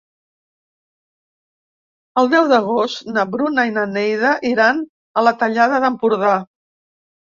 El deu d'agost na Bruna i na Neida iran a la Tallada d'Empordà.